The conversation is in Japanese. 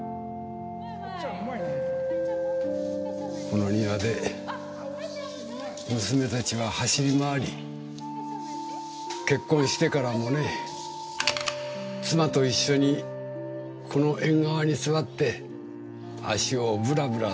この庭で娘たちは走り回り結婚してからもね妻と一緒にこの縁側に座って足をブラブラさせていた。